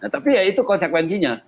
tapi ya itu konsekuensinya